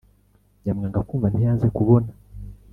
Nyamwanga kwumva ntiyanze kubona.